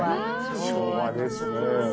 昭和ですね。